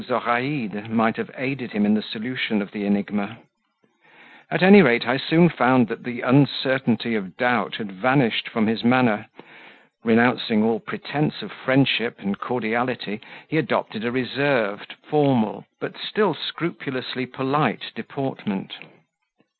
Zoraide might have aided him in the solution of the enigma; at any rate I soon found that the uncertainty of doubt had vanished from his manner; renouncing all pretence of friendship and cordiality, he adopted a reserved, formal, but still scrupulously polite deportment.